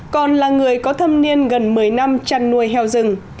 còn là người có thâm niên gần một mươi năm chăn nuôi heo rừng